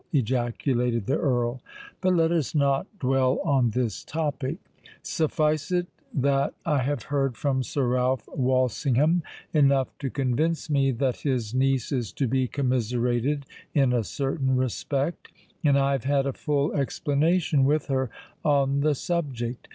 ejaculated the Earl. "But let us not dwell on this topic. Suffice it that I have heard from Sir Ralph Walsingham enough to convince me that his niece is to be commiserated in a certain respect; and I have had a full explanation with her on the subject.